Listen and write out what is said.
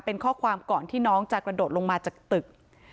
เป็นข้อความก่อนที่น้องจะกระโดดลงมาจากตึก